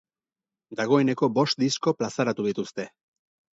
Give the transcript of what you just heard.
Dagoeneko bost disko plazaratu dituzte.